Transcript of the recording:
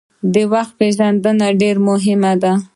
د وخت پېژندنه ډیره مهمه ده.